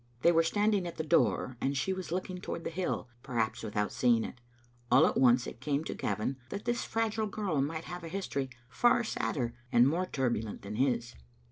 They were standing at the door, and she was looking toward the hill, perhaps without seeing it. All at once it came to Gavin that this fragile girl might have a history far sadder and more turbulent than his.